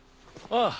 ああ。